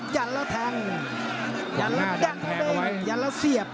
ยันล่ะแทงยันล่ะเยี่ยงไปเยี่ยงแล้วเสียบ